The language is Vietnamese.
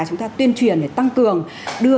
chúng ta tuyên truyền để tăng cường đưa